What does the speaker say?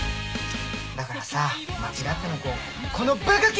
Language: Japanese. だからさ間違ってもこう「このバカケ！」